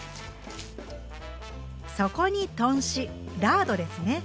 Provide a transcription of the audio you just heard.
そこに豚脂ラードですね。